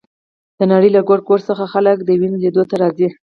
د نړۍ له ګوټ ګوټ څخه خلک د وینز لیدو ته راځي